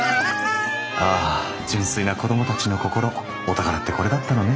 ああ純粋な子どもたちの心お宝ってこれだったのね。